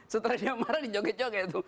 setelah dia marah dia joget joget